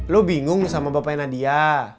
lo bingung nih sama bapaknya nadia